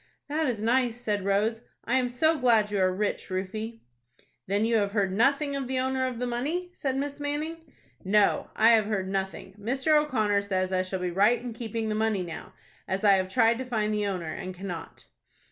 "That is nice," said Rose. "I am so glad you are rich, Rufie." "Then you have heard nothing of the owner of the money, Rufus?" said Miss Manning. "No, I have heard nothing. Mr. O'Connor says I shall be right in keeping the money now, as I have tried to find the owner, and cannot."